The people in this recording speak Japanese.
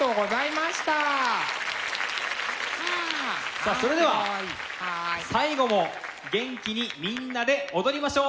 さあそれでは最後も元気にみんなで踊りましょう。